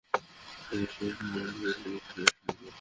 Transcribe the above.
উনি বলেছেন আজ রাত তিনি সেখানেই থাকবে।